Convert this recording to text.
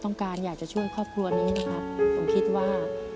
ต้องการอยากจะช่วยครอบครัวนี้นะครับผมคิดว่า